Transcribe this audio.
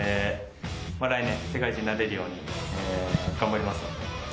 来年世界一になれるように、頑張ります。